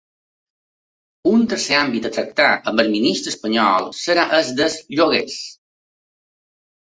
Un tercer àmbit a tractar amb el ministre espanyol serà el dels lloguers.